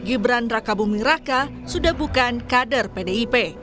gibran raka buming raka sudah bukan kader pdip